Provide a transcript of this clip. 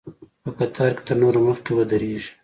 په قطار کې تر نورو مخکې ودرېږي.